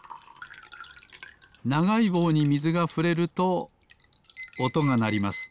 ながいぼうにみずがふれるとおとがなります。